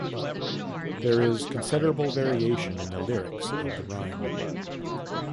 There is considerable variation in the lyrics of the rhyme.